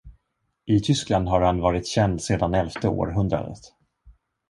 I Tyskland har han varit känd sedan elfte århundradet.